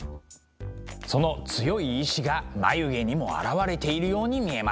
その強い意志が眉毛にも表れているように見えます。